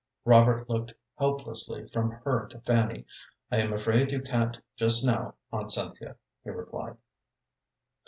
Robert looked helplessly from her to Fanny. "I am afraid you can't just now, Aunt Cynthia," he replied.